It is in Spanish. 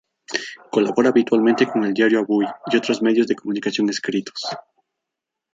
Colabora habitualmente con el diario "Avui" y otros medios de comunicación escritos.